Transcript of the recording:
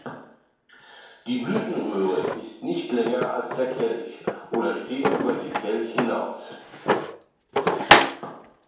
Die Blütenröhre ist nicht länger als der Kelch oder steht über den Kelch hinaus.